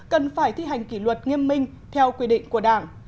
cần phải thi hành kỷ luật nghiêm minh theo quy định của đảng